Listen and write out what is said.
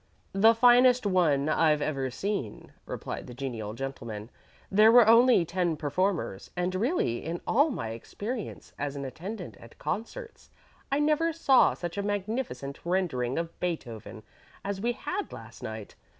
"The finest one I've ever seen," replied the genial gentleman. "There were only ten performers, and really, in all my experience as an attendant at concerts, I never saw such a magnificent rendering of Beethoven as we had last night.